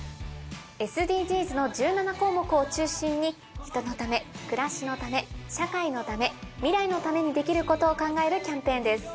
ＳＤＧｓの１７項目を中心に人のため暮らしのため社会のため未来のためにできることを考えるキャンペーンです。